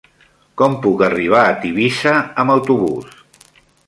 Com puc arribar a Tivissa amb autobús?